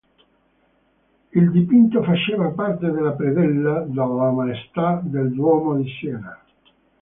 Il dipinto faceva parte della predella della "Maestà del Duomo di Siena".